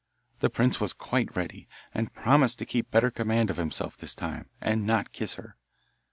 The prince was quite ready, and promised to keep better command of himself this time, and not kiss her.